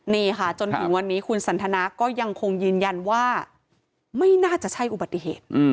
นี่ค่ะจนถึงวันนี้คุณสันทนาก็ยังคงยืนยันว่าไม่น่าจะใช่อุบัติเหตุ